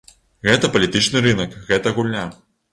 Гэта палітычны рынак, гэта гульня.